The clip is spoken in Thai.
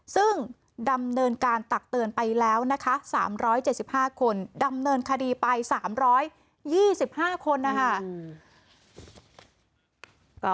ซึ่งดำเนินการตักเตือนไปแล้วนะคะ๓๗๕คนดำเนินคดีไป๓๒๕คนนะคะ